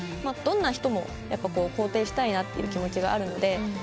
どんな人も肯定したいなって気持ちがあるので。